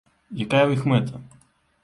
Якая ў іх мэта?